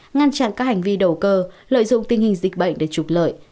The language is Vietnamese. ngăn chặn các hành vi đầu cơ lợi dụng tình hình dịch bệnh để trục lợi